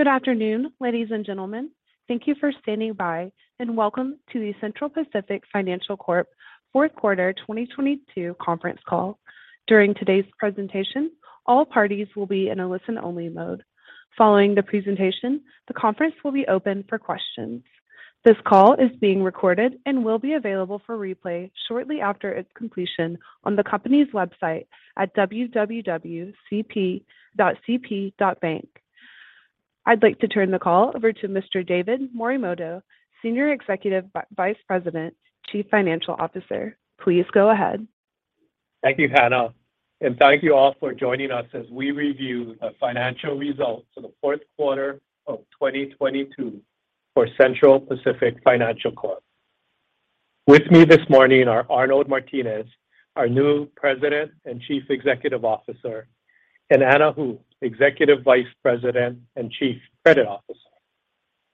Good afternoon, ladies and gentlemen. Thank you for standing by, welcome to the Central Pacific Financial Corp. Fourth Quarter 2022 Conference Call. During today's presentation, all parties will be in a listen-only mode. Following the presentation, the conference will be open for questions. This call is being recorded and will be available for replay shortly after its completion on the company's website at www.cpb.bank. I'd like to turn the call over to Mr. David Morimoto, Senior Executive Vice President, Chief Financial Officer. Please go ahead. Thank you, Hannah. Thank you all for joining us as we review the financial results for the fourth quarter of 2022 for Central Pacific Financial Corp. With me this morning are Arnold Martines, our new President and Chief Executive Officer, and Anna Hu, Executive Vice President and Chief Credit Officer.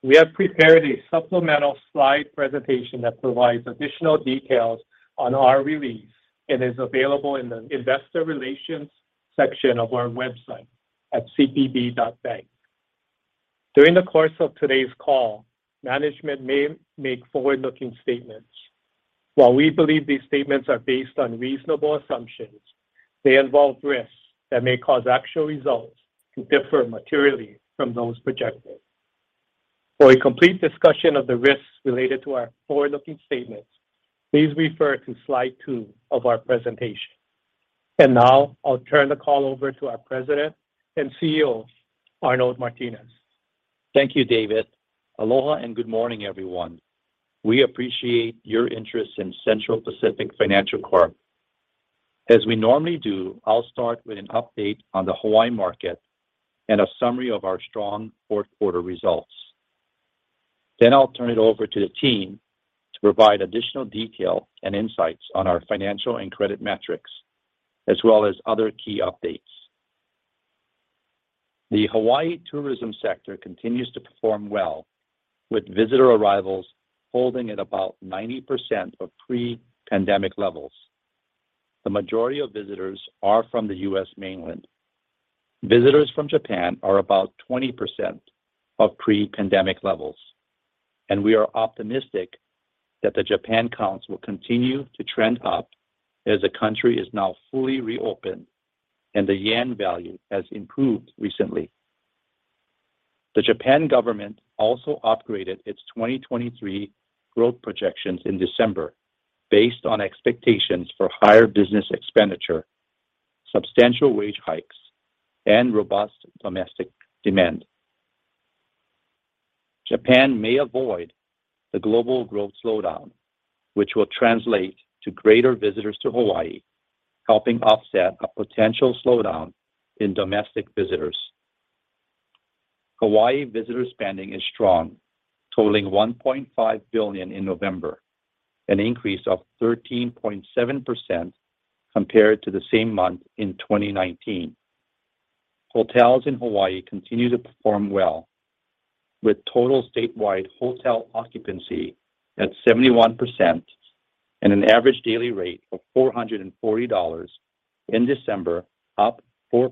We have prepared a supplemental slide presentation that provides additional details on our release and is available in the investor relations section of our website at cpb.bank. During the course of today's call, management may make forward-looking statements. While we believe these statements are based on reasonable assumptions, they involve risks that may cause actual results to differ materially from those projected. For a complete discussion of the risks related to our forward-looking statements, please refer to slide two of our presentation. Now I'll turn the call over to our President and CEO, Arnold Martines. Thank you, David. Aloha and good morning, everyone. We appreciate your interest in Central Pacific Financial Corp. As we normally do, I'll start with an update on the Hawaii market and a summary of our strong fourth quarter results. I'll turn it over to the team to provide additional detail and insights on our financial and credit metrics, as well as other key updates. The Hawaii tourism sector continues to perform well with visitor arrivals holding at about 90% of pre-pandemic levels. The majority of visitors are from the U.S. mainland. Visitors from Japan are about 20% of pre-pandemic levels, and we are optimistic that the Japan counts will continue to trend up as the country is now fully reopened and the yen value has improved recently. The Japan government also upgraded its 2023 growth projections in December based on expectations for higher business expenditure, substantial wage hikes, and robust domestic demand. Japan may avoid the global growth slowdown, which will translate to greater visitors to Hawaii, helping offset a potential slowdown in domestic visitors. Hawaii visitor spending is strong, totaling $1.5 billion in November, an increase of 13.7% compared to the same month in 2019. Hotels in Hawaii continue to perform well, with total statewide hotel occupancy at 71% and an average daily rate of $440 in December, up 4%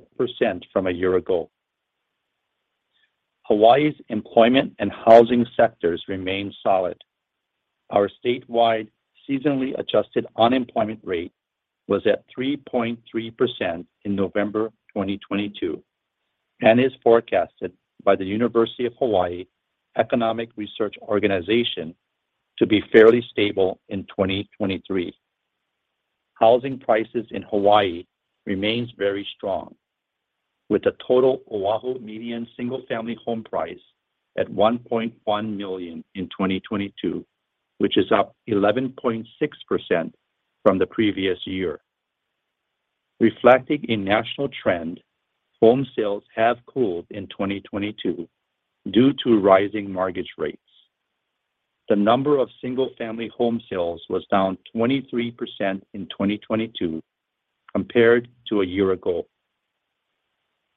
from a year ago. Hawaii's employment and housing sectors remain solid. Our statewide seasonally adjusted unemployment rate was at 3.3% in November 2022 and is forecasted by the University of Hawaii Economic Research Organization to be fairly stable in 2023. Housing prices in Hawaii remains very strong, with the total Oahu median single-family home price at $1.1 million in 2022, which is up 11.6% from the previous year. Reflecting a national trend, home sales have cooled in 2022 due to rising mortgage rates. The number of single-family home sales was down 23% in 2022 compared to a year ago.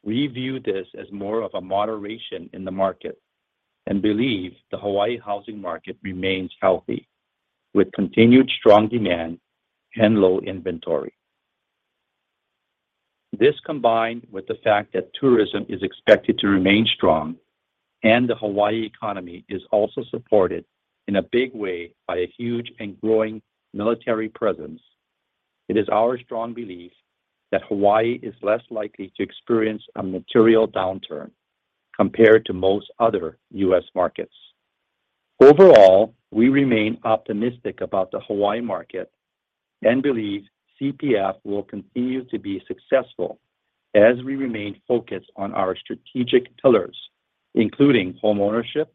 We view this as more of a moderation in the market and believe the Hawaii housing market remains healthy with continued strong demand and low inventory. This combined with the fact that tourism is expected to remain strong, and the Hawaii economy is also supported in a big way by a huge and growing military presence. It is our strong belief that Hawaii is less likely to experience a material downturn compared to most other U.S. markets. Overall, we remain optimistic about the Hawaii market and believe CPF will continue to be successful as we remain focused on our strategic pillars, including homeownership,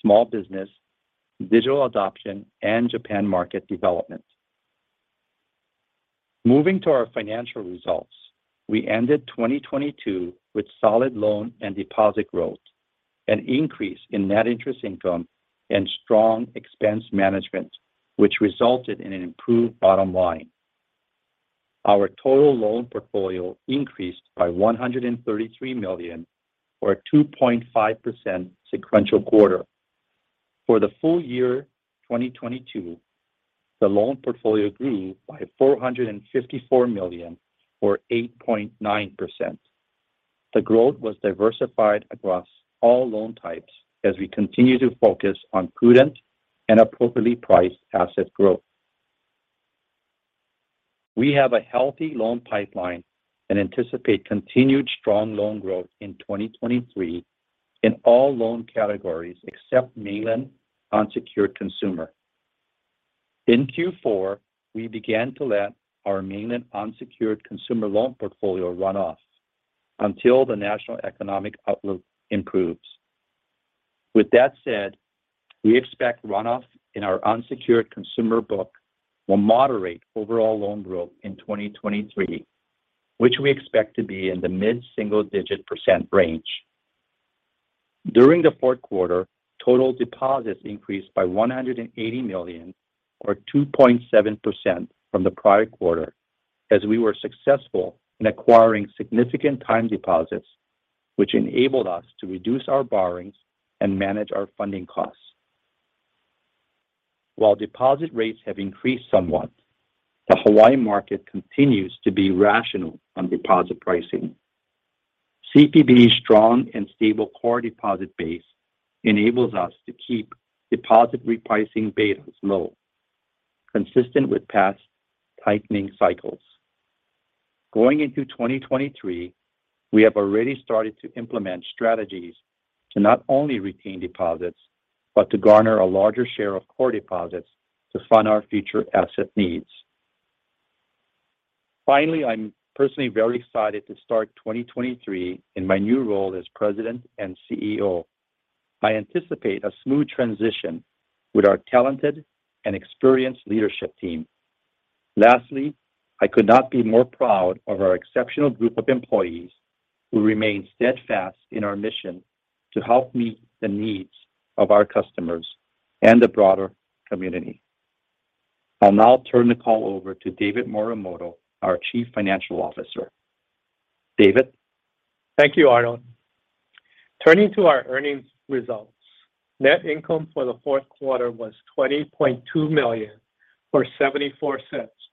small business, digital adoption, and Japan market development. Moving to our financial results, we ended 2022 with solid loan and deposit growth, an increase in net interest income and strong expense management, which resulted in an improved bottom line. Our total loan portfolio increased by $133 million or 2.5% sequential quarter. For the full-year 2022, the loan portfolio grew by $454 million, or 8.9%. The growth was diversified across all loan types as we continue to focus on prudent and appropriately priced asset growth. We have a healthy loan pipeline and anticipate continued strong loan growth in 2023 in all loan categories except mainland unsecured consumer. In Q4, we began to let our mainland unsecured consumer loan portfolio run off until the national economic outlook improves. With that said, we expect runoff in our unsecured consumer book will moderate overall loan growth in 2023, which we expect to be in the mid-single digit percent range. During the fourth quarter, total deposits increased by $180 million, or 2.7% from the prior quarter as we were successful in acquiring significant time deposits, which enabled us to reduce our borrowings and manage our funding costs. While deposit rates have increased somewhat, the Hawaii market continues to be rational on deposit pricing. CPB's strong and stable core deposit base enables us to keep deposit repricing betas low, consistent with past tightening cycles. Going into 2023, we have already started to implement strategies to not only retain deposits, but to garner a larger share of core deposits to fund our future asset needs. Finally, I'm personally very excited to start 2023 in my new role as President and CEO. I anticipate a smooth transition with our talented and experienced leadership team. Lastly, I could not be more proud of our exceptional group of employees who remain steadfast in our mission to help meet the needs of our customers and the broader community. I'll now turn the call over to David Morimoto, our Chief Financial Officer. David. Thank you, Arnold. Turning to our earnings results, net income for the fourth quarter was $20.2 million, or $0.74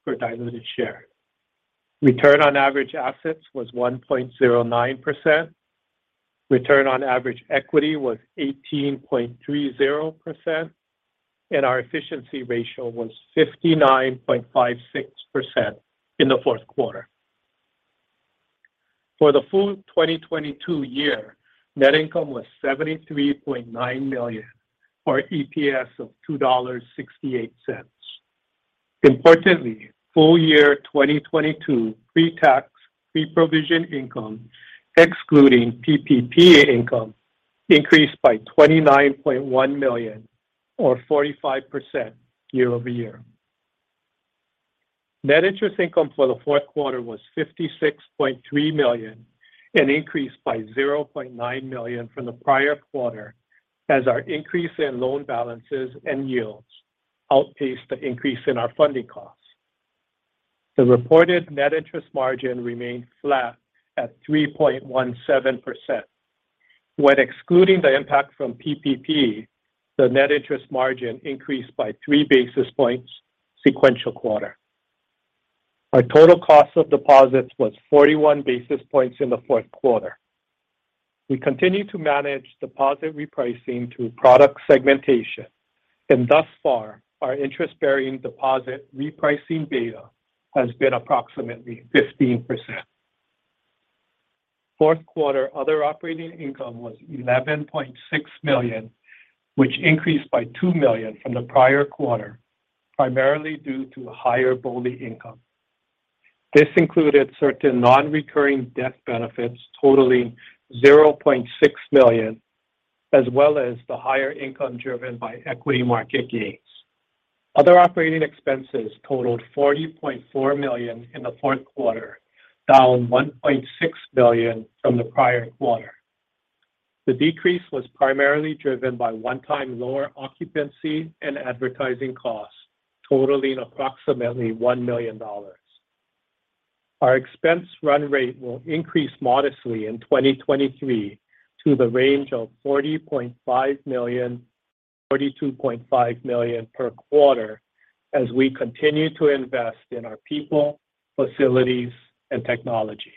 per diluted share. Return on average assets was 1.09%. Return on average equity was 18.30%. Our efficiency ratio was 59.56% in the fourth quarter. For the full 2022 year, net income was $73.9 million, or EPS of $2.68. Importantly, full-year 2022 Pre-tax, pre-provision income excluding PPP income increased by $29.1 million, or 45% year-over-year. Net interest income for the fourth quarter was $56.3 million, an increase by $0.9 million from the prior quarter as our increase in loan balances and yields outpaced the increase in our funding costs. The reported net interest margin remained flat at 3.17%. When excluding the impact from PPP, the net interest margin increased by 3 basis points sequential quarter. Our total cost of deposits was 41 basis points in the fourth quarter. We continue to manage deposit repricing through product segmentation, and thus far, our interest-bearing deposit repricing beta has been approximately 15%. Fourth quarter other operating income was $11.6 million, which increased by $2 million from the prior quarter, primarily due to higher BOLI income. This included certain non-recurring debt benefits totaling $0.6 million, as well as the higher income driven by equity market gains. Other operating expenses totaled $40.4 million in the fourth quarter, down $1.6 million from the prior quarter. The decrease was primarily driven by one-time lower occupancy and advertising costs totaling approximately $1 million. Our expense run rate will increase modestly in 2023 to the range of $40.5 million-$42.5 million per quarter as we continue to invest in our people, facilities, and technology.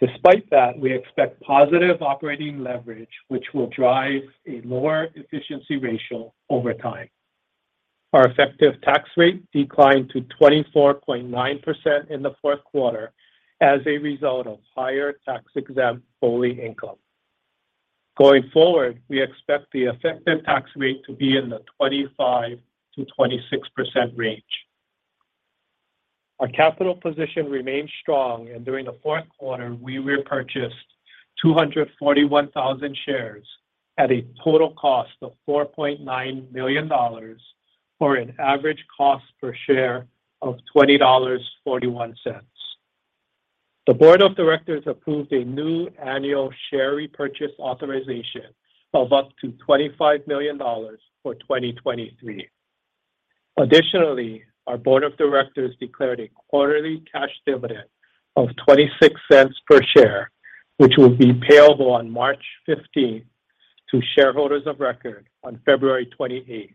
Despite that, we expect positive operating leverage, which will drive a lower efficiency ratio over time. Our effective tax rate declined to 24.9% in the fourth quarter as a result of higher tax-exempt BOLI income. Going forward, we expect the effective tax rate to be in the 25%-26% range. Our capital position remains strong. During the fourth quarter, we repurchased 241,000 shares at a total cost of $4.9 million, or an average cost per share of $20.41. The board of directors approved a new annual share repurchase authorization of up to $25 million for 2023. Additionally, our board of directors declared a quarterly cash dividend of $0.26 per share, which will be payable on March 15th to shareholders of record on February 28th.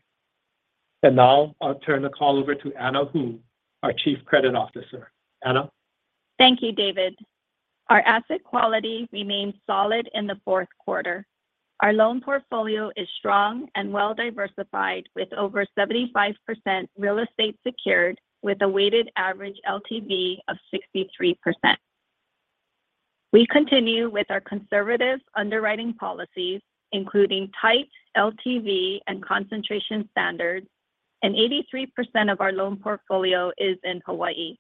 Now, I'll turn the call over to Anna Hu, our chief credit officer. Anna? Thank you, David. Our asset quality remains solid in the fourth quarter. Our loan portfolio is strong and well-diversified with over 75% real estate secured with a weighted average LTV of 63%. We continue with our conservative underwriting policies, including tight LTV and concentration standards, and 83% of our loan portfolio is in Hawaii.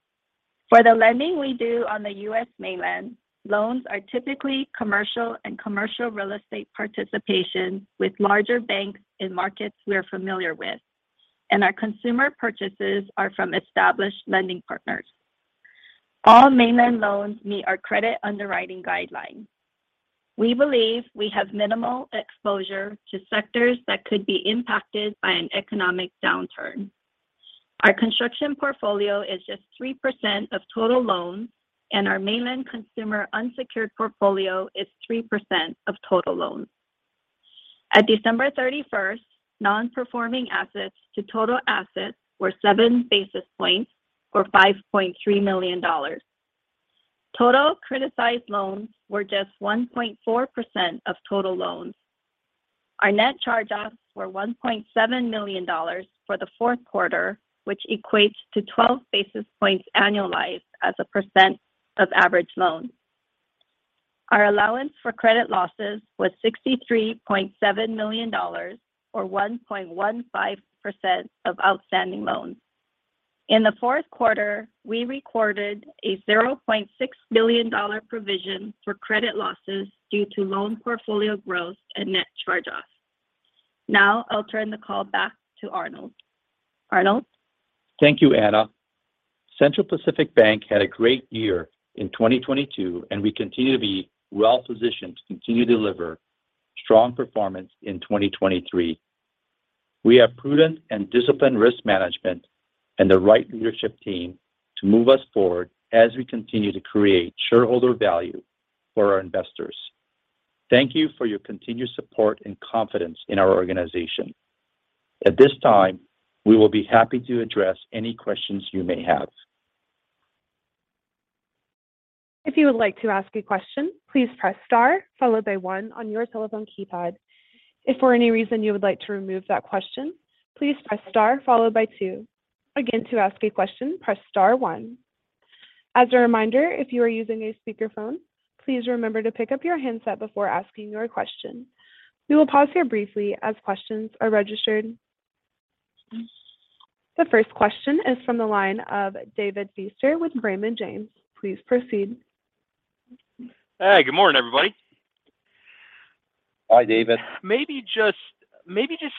For the lending we do on the U.S. mainland, loans are typically commercial and commercial real estate participation with larger banks in markets we are familiar with, and our consumer purchases are from established lending partners. All mainland loans meet our credit underwriting guidelines. We believe we have minimal exposure to sectors that could be impacted by an economic downturn. Our construction portfolio is just 3% of total loans, and our mainland consumer unsecured portfolio is 3% of total loans. At December 31st, non-performing assets to total assets were 7 basis points, or $5.3 million. Total criticized loans were just 1.4% of total loans. Our net charge-offs were $1.7 million for the fourth quarter, which equates to 12 basis points annualized as a % of average loans. Our allowance for credit losses was $63.7 million, or 1.15% of outstanding loans. In the fourth quarter, we recorded a $0.6 million provision for credit losses due to loan portfolio growth and net charge-offs. Now, I'll turn the call back to Arnold. Arnold? Thank you, Anna. Central Pacific Bank had a great year in 2022, and we continue to be well-positioned to continue to deliver strong performance in 2023. We have prudent and disciplined risk management and the right leadership team to move us forward as we continue to create shareholder value for our investors. Thank you for your continued support and confidence in our organization. At this time, we will be happy to address any questions you may have. If you would like to ask a question, please press star followed by one on your telephone keypad. If for any reason you would like to remove that question, please press star followed by two. Again, to ask a question, press star one. As a reminder, if you are using a speakerphone, please remember to pick up your handset before asking your question. We will pause here briefly as questions are registered. The first question is from the line of David Feaster with Raymond James. Please proceed. Hey, good morning, everybody. Hi, David. Maybe just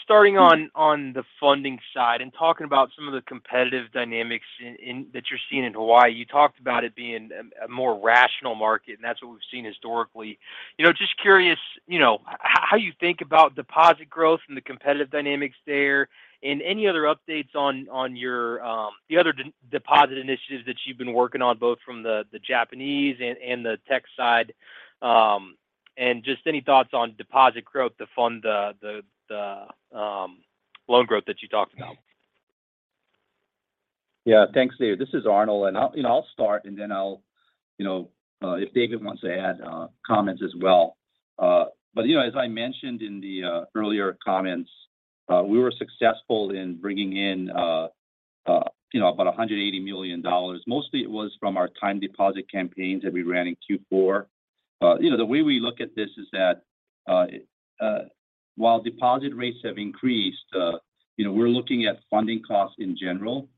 starting on the funding side and talking about some of the competitive dynamics in that you're seeing in Hawaii. You talked about it being a more rational market, and that's what we've seen historically. You know, just curious, you know, how you think about deposit growth and the competitive dynamics there? Any other updates on your the other deposit initiatives that you've been working on, both from the Japanese and the tech side? Just any thoughts on deposit growth to fund the loan growth that you talked about. Yeah. Thanks, David. This is Arnold, I'll, you know, I'll start. I'll, you know, if David wants to add comments as well. You know, as I mentioned in the earlier comments, we were successful in bringing in, you know, about $180 million. Mostly it was from our time deposit campaigns that we ran in Q4. You know, the way we look at this is that while deposit rates have increased, you know, we're looking at funding costs in general.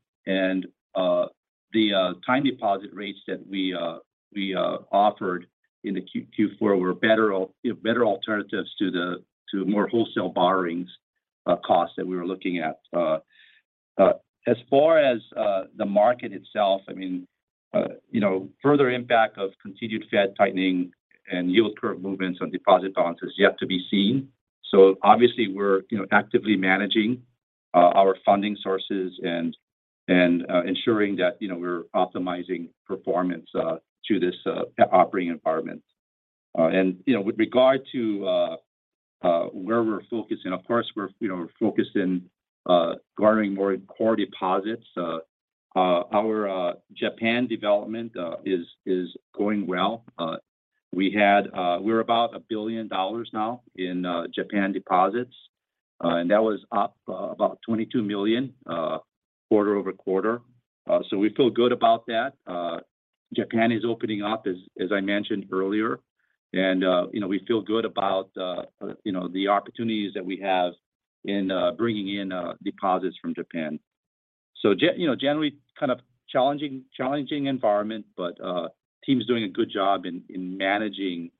The time deposit rates that we offered in the Q4 were better, you know, better alternatives to more wholesale borrowings costs that we were looking at. As far as the market itself, I mean, you know, further impact of continued Fed tightening and yield curve movements on deposit balance is yet to be seen. Obviously, we're, you know, actively managing our funding sources and ensuring that, you know, we're optimizing performance to this operating environment. And, you know, with regard to where we're focusing, of course, we're, you know, we're focused in garnering more core deposits. Our Japan development is going well. We're about $1 billion now in Japan deposits, and that was up about $22 million quarter-over-quarter. We feel good about that. Japan is opening up, as I mentioned earlier. You know, we feel good about, you know, the opportunities that we have in bringing in deposits from Japan. You know, generally kind of challenging environment, but team's doing a good job in managing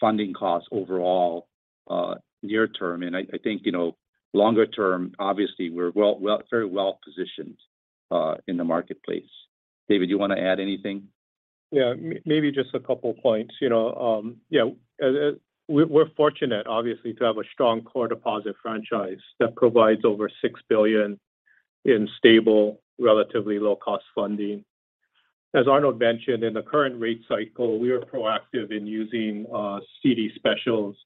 funding costs overall near term. I think, you know, longer term, obviously, we're very well-positioned in the marketplace. David, do you wanna add anything? Maybe just a couple points. You know, we're fortunate obviously to have a strong core deposit franchise that provides over $6 billion in stable, relatively low-cost funding. As Arnold mentioned, in the current rate cycle, we are proactive in using CD specials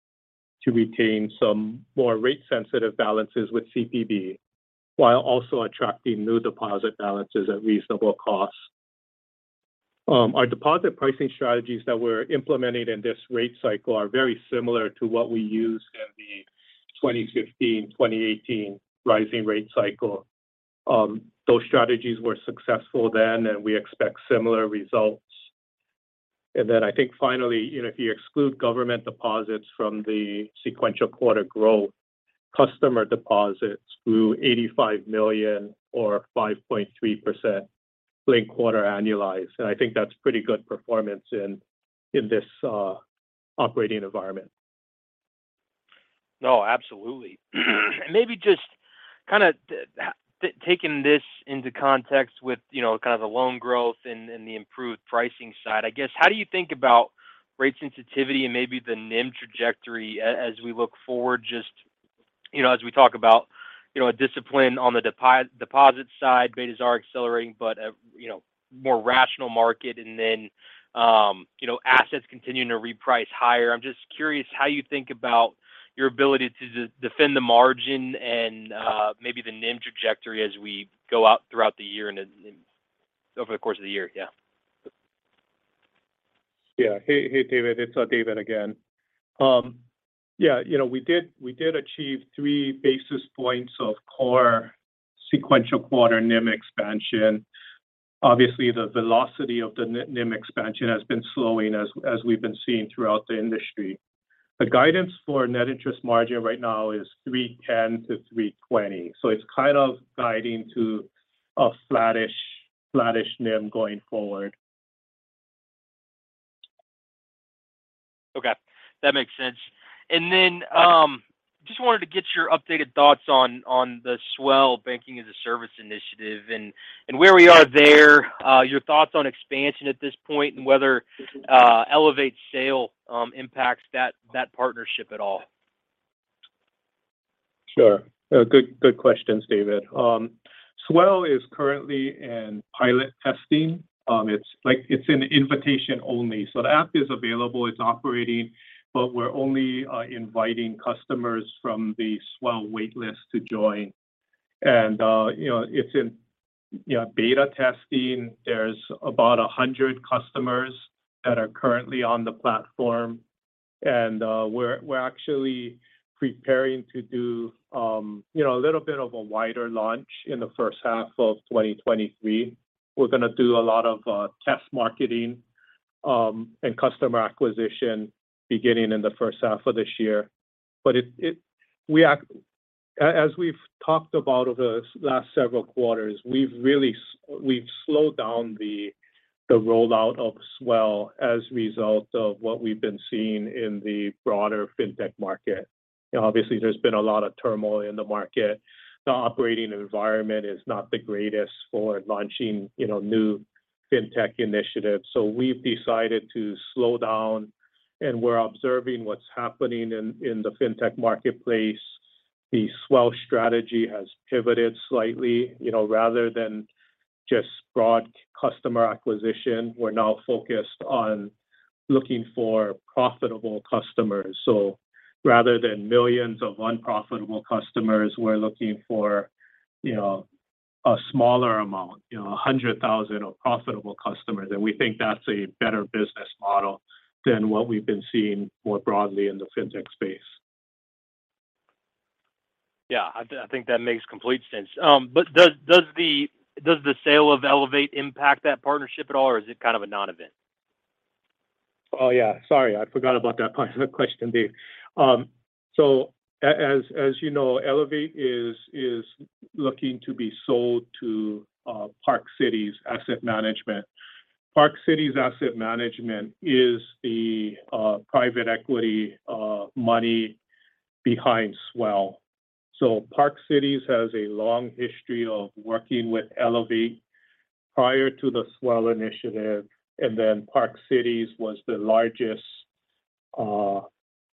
to retain some more rate-sensitive balances with CPB, while also attracting new deposit balances at reasonable costs. Our deposit pricing strategies that we're implementing in this rate cycle are very similar to what we used in the 2015, 2018 rising rate cycle. Those strategies were successful then, we expect similar results. I think finally, you know, if you exclude government deposits from the sequential quarter growth, customer deposits grew $85 million or 5.3% linked quarter annualized. I think that's pretty good performance in this operating environment. No, absolutely. Maybe just kinda taking this into context with, you know, kind of the loan growth and the improved pricing side. I guess, how do you think about rate sensitivity and maybe the NIM trajectory as we look forward just, you know, as we talk about, you know, a discipline on the deposit side, betas are accelerating, but a, you know, more rational market and then, you know, assets continuing to reprice higher? I'm just curious how you think about your ability to defend the margin and, maybe the NIM trajectory as we go out throughout the year and then over the course of the year? Yeah. Hey, David. It's David again. you know, we did achieve 3 basis points of core sequential quarter NIM expansion. Obviously, the velocity of the NIM expansion has been slowing as we've been seeing throughout the industry. The guidance for net interest margin right now is 3.10% - 3.20%, it's kind of guiding to a flattish NIM going forward. Okay. That makes sense. Just wanted to get your updated thoughts on the Swell Banking as a Service initiative and where we are there. Your thoughts on expansion at this point and whether Elevate sale impacts that partnership at all. Sure. Good questions, David. Swell is currently in pilot testing. It's like it's an invitation only. The app is available, it's operating, but we're only inviting customers from the Swell wait list to join. You know, it's in, you know, beta testing. There's about 100 customers that are currently on the platform. We're actually preparing to do, you know, a little bit of a wider launch in the first half of 2023. We're gonna do a lot of test marketing and customer acquisition beginning in the first half of this year. As we've talked about over the last several quarters, we've really slowed down the rollout of Swell as a result of what we've been seeing in the broader fintech market. You know, obviously there's been a lot of turmoil in the market. The operating environment is not the greatest for launching, you know, new fintech initiatives. We've decided to slow down, and we're observing what's happening in the fintech marketplace. The Swell strategy has pivoted slightly, you know. Rather than just broad customer acquisition, we're now focused on looking for profitable customers. Rather than millions of unprofitable customers, we're looking for, you know, a smaller amount, you know, 100,000 of profitable customers. We think that's a better business model than what we've been seeing more broadly in the fintech space. Yeah. I think that makes complete sense. Does the sale of Elevate impact that partnership at all, or is it kind of a non-event? Oh, yeah. Sorry, I forgot about that part of the question, Dave. As you know, Elevate is looking to be sold to Park Cities Asset Management. Park Cities Asset Management is the private equity money behind Swell. Park Cities has a long history of working with Elevate prior to the Swell initiative, and then Park Cities was the largest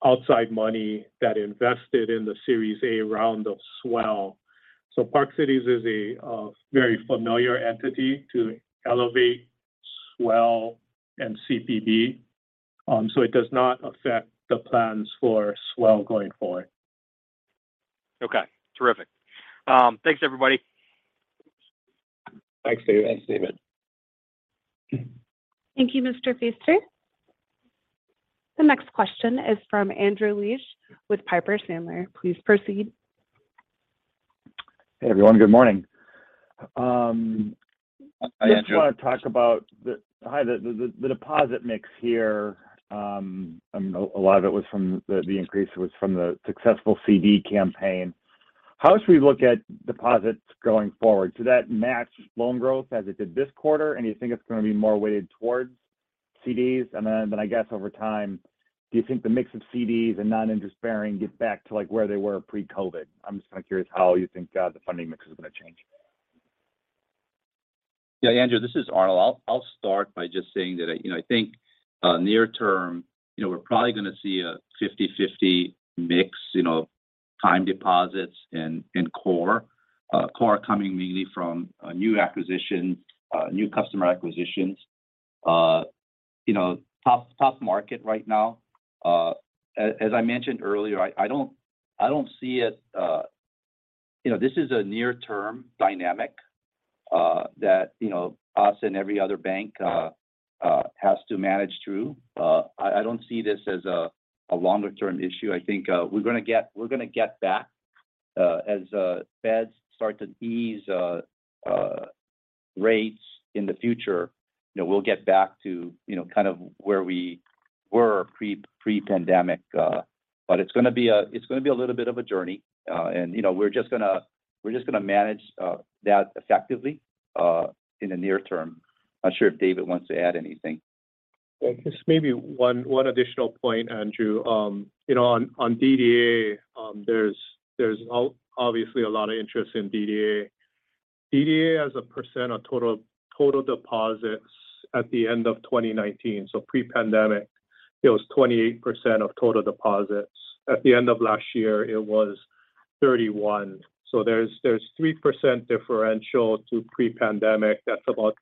outside money that invested in the Series A round of Swell. Park Cities is a very familiar entity to Elevate, Swell, and CPB, so it does not affect the plans for Swell going forward. Okay. Terrific. Thanks, everybody. Thanks, David. Thank you, Mr. Feaster. The next question is from Andrew Liesch with Piper Sandler. Please proceed. Hey, everyone. Good morning. Hi, Andrew. I just wanna talk about the deposit mix here. A lot of it was from the increase was from the successful CD campaign. How should we look at deposits going forward? Do that match loan growth as it did this quarter? You think it's gonna be more weighted towards CDs. Then I guess over time, do you think the mix of CDs and non-interest bearing get back to like where they were pre-COVID? I'm just kind of curious how you think the funding mix is going to change. Andrew, this is Arnold. I'll start by just saying that I, you know, I think, near term, you know, we're probably going to see a 50/50 mix. You know, time deposits in core. Core coming mainly from new acquisitions, new customer acquisitions. You know, tough market right now. As I mentioned earlier, I don't see it. You know, this is a near-term dynamic that, you know, us and every other bank has to manage through. I don't see this as a longer term issue. I think, we're going to get back. As Feds start to ease rates in the future, you know, we'll get back to, you know, kind of where we were pre-pandemic. It's going to be a little bit of a journey. You know, we're just gonna manage that effectively in the near term. Not sure if David wants to add anything. Just maybe one additional point, Andrew. You know, on DDA, there's obviously a lot of interest in DDA. DDA as a % of total deposits at the end of 2019, so pre-pandemic, it was 28% of total deposits. At the end of last year it was 31%. There's 3% differential to pre-pandemic. That's about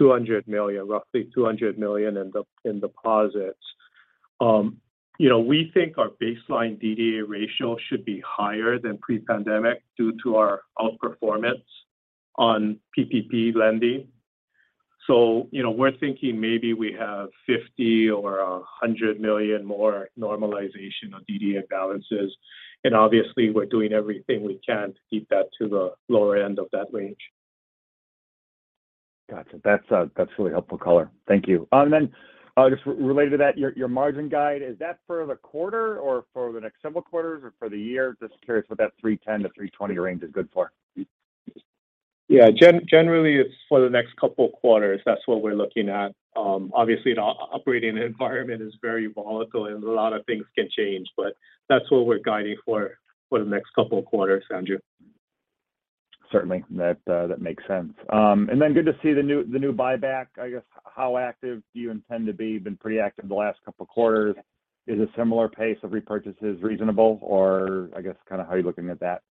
$200 million, roughly $200 million in deposits. You know, we think our baseline DDA ratio should be higher than pre-pandemic due to our outperformance on PPP lending. You know, we're thinking maybe we have $50 million or $100 million more normalization on DDA balances, and obviously we're doing everything we can to keep that to the lower end of that range. Gotcha. That's really helpful color. Thank you. Just related to that, your margin guide, is that for the quarter or for the next several quarters or for the year? Just curious what that 3.10%-3.20% range is good for. Generally it's for the next couple of quarters. That's what we're looking at. Obviously the operating environment is very volatile and a lot of things can change, but that's what we're guiding for for the next couple of quarters, Andrew. Certainly. That, that makes sense. Good to see the new, the new buyback. I guess, how active do you intend to be? You've been pretty active the last couple of quarters. Is a similar pace of repurchases reasonable or I guess kind of how are you looking at that?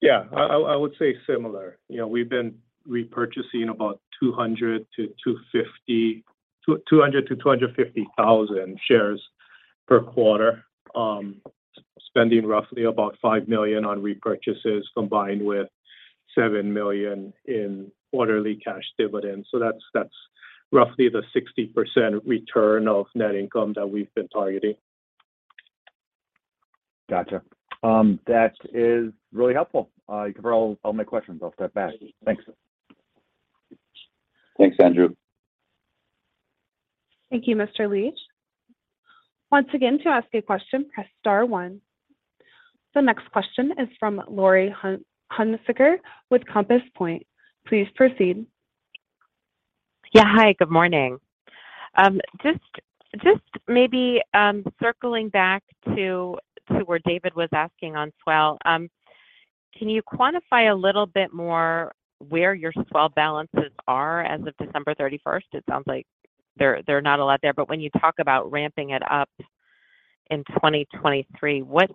Yeah. I would say similar. You know, we've been repurchasing about 200,000 to 250,000 shares per quarter. Spending roughly about $5 million on repurchases combined with $7 million in quarterly cash dividends. That's roughly the 60% return of net income that we've been targeting. Gotcha. That is really helpful. You covered all my questions. I'll step back. Thanks. Thanks, Andrew. Thank you, Mr. Liesch. Once again, to ask a question, press star one. The next question is from Laurie Hunsicker with Compass Point. Please proceed. Yeah. Hi, good morning. Just maybe circling back to where David was asking on Swell. Can you quantify a little bit more where your Swell balances are as of December 31st? It sounds like they're not a lot there, but when you talk about ramping it up in 2023, what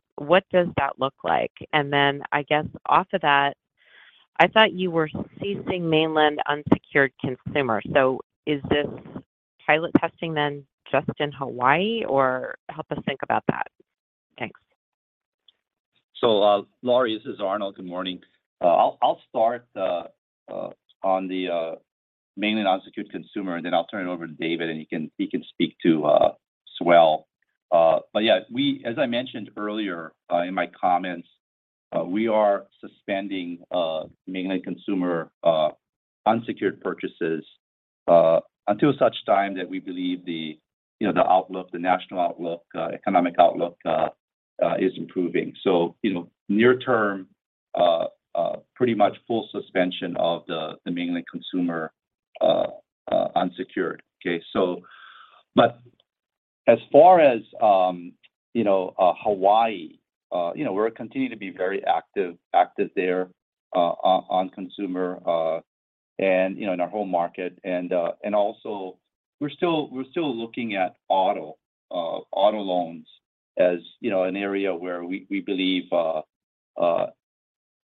does that look like? I guess off of that, I thought you were ceasing mainland unsecured consumer. Is this pilot testing then just in Hawaii or help us think about that? Thanks. Laurie Hunsicker, this is Arnold Martines. Good morning. I'll start on the mainland unsecured consumer, and then I'll turn it over to David Morimoto, and he can speak to Swell. As I mentioned earlier, in my comments, we are suspending mainland consumer unsecured purchases until such time that we believe the, you know, the outlook, the national outlook, economic outlook, is improving. You know, near term, pretty much full suspension of the mainland consumer unsecured. Okay. As far as, you know, Hawaii, you know, we're continuing to be very active there on consumer, and, you know, in our home market. Also we're still looking at auto loans, as, you know, an area where we believe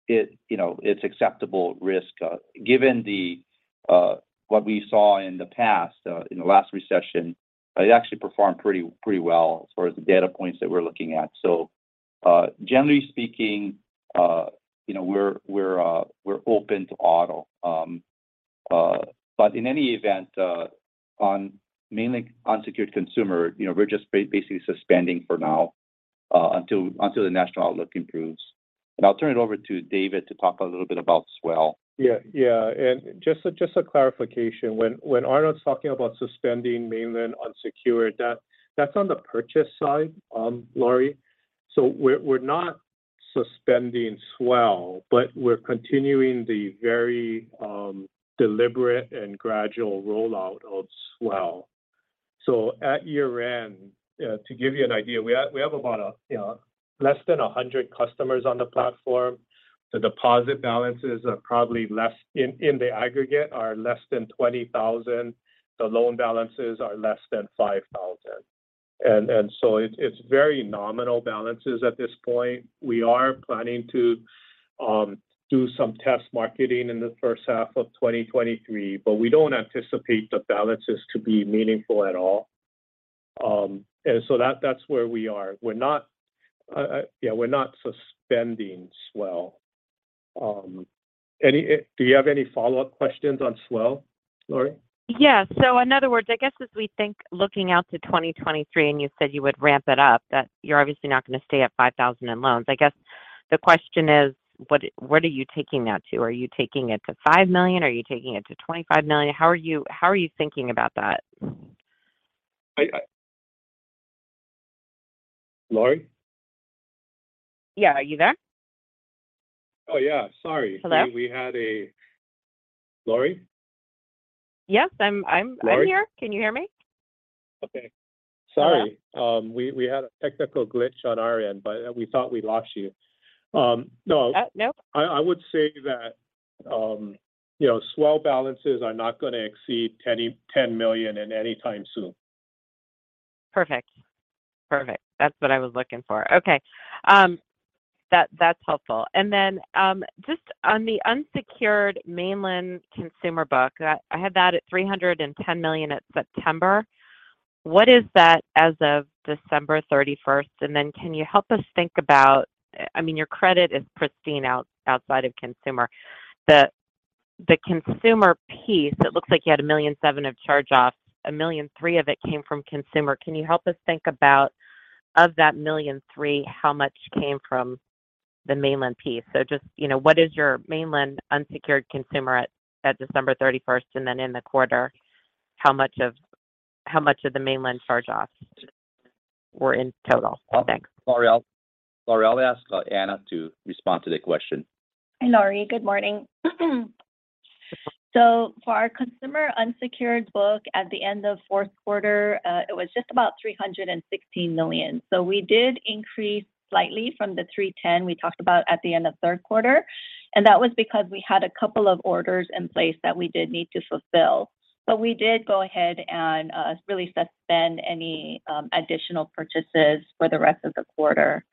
it's acceptable risk. Given what we saw in the past, in the last recession, it actually performed pretty well as far as the data points that we're looking at. Generally speaking, you know, we're open to auto. In any event, on mainland unsecured consumer, you know, we're just basically suspending for now, until the national outlook improves. I'll turn it over to David to talk a little bit about Swell. Yeah. Yeah. Just a clarification. When Arnold's talking about suspending mainland unsecured, that's on the purchase side, Laurie. We're not suspending Swell, but we're continuing the very deliberate and gradual rollout of Swell. At year-end, to give you an idea, we have about, you know, less than 100 customers on the platform. The deposit balances are probably less in the aggregate are less than $20,000. The loan balances are less than $5,000. It's very nominal balances at this point. We are planning to do some test marketing in the first half of 2023, but we don't anticipate the balances to be meaningful at all. That's where we are. We're not, yeah, we're not suspending Swell. Do you have any follow-up questions on Swell, Laurie? Yeah. In other words, I guess as we think looking out to 2023, you said you would ramp it up, that you're obviously not gonna stay at $5,000 in loans. I guess the question is, what are you taking that to? Are you taking it to $5 million? Are you taking it to $25 million? How are you thinking about that? I... Laurie? Yeah. Are you there? Oh, yeah. Sorry. Hello? We had a... Laurie? Yes. I'm here. Laurie? Can you hear me? Okay. Sorry. Yeah. We had a technical glitch on our end, but we thought we lost you. No. Oh, nope. I would say that, you know, Swell balances are not gonna exceed $10 million in any time soon. Perfect. Perfect. That's what I was looking for. Okay. That, that's helpful. Just on the unsecured mainland consumer book, I had that at $310 million at September. What is that as of December 31st? Can you help us think about I mean, your credit is pristine outside of consumer. The, the consumer piece, it looks like you had $1.7 million of charge-offs, $1.3 million of it came from consumer. Can you help us think about of that $1.3 million, how much came from the mainland piece? Just, you know, what is your mainland unsecured consumer at December 31st? In the quarter, how much of the mainland charge-offs were in total? Thanks. Laurie, I'll ask Anna to respond to the question. Hi, Laurie. Good morning. For our consumer unsecured book at the end of fourth quarter, it was just about $316 million. We did increase slightly from the $310 million we talked about at the end of third quarter, and that was because we had a couple of orders in place that we did need to fulfill. We did go ahead and really suspend any additional purchases for the rest of the quarter.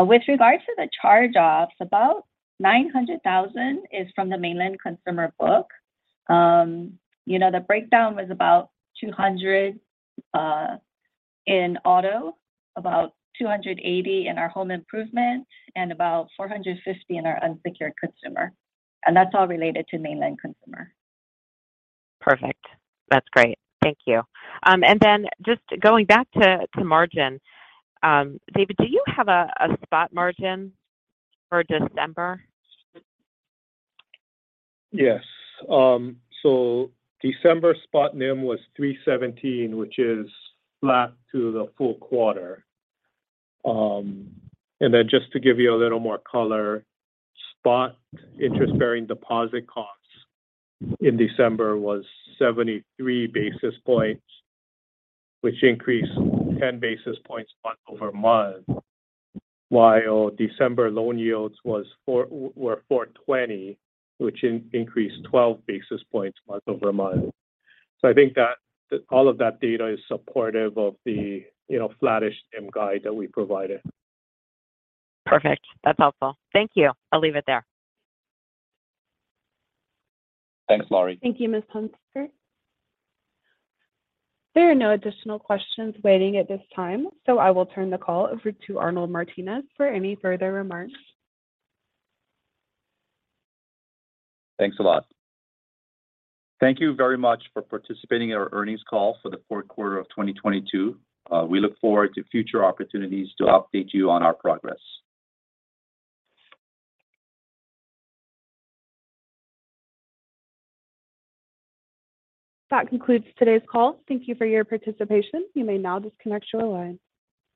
With regards to the charge-offs, about $900,000 is from the mainland consumer book. You know, the breakdown was about $200,000 in auto, about $280,000 in our home improvement, and about $450,000 in our unsecured consumer, and that's all related to mainland consumer. Perfect. That's great. Thank you. Just going back to margin, David, do you have a spot margin for December? December spot NIM was 3.17%, which is flat to the full quarter. Just to give you a little more color, spot interest-bearing deposit costs in December was 73 basis points, which increased 10 basis points month-over-month. While December loan yields were 4.20%, which increased 12 basis points month-over-month. I think that all of that data is supportive of the, you know, flattish NIM guide that we provided. Perfect. That's helpful. Thank you. I'll leave it there. Thanks, Laurie. Thank you, Ms. Hunsicker. There are no additional questions waiting at this time. I will turn the call over to Arnold Martines for any further remarks. Thanks a lot. Thank you very much for participating in our earnings call for the fourth quarter of 2022. We look forward to future opportunities to update you on our progress. That concludes today's call. Thank Thank you for your participation. You may now disconnect your line.